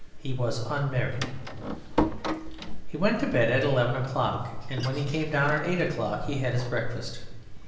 He was unmarried. He went to bed at eleven o'clock, and when he came down at eight o'clock he had his breakfast.